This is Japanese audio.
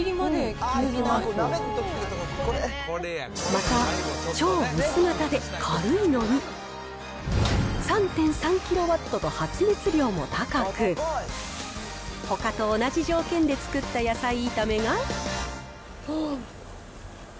また、超薄型で軽いのに、３．３キロワットと発熱量も高く、ほかと同じ条件で作った野菜炒めが。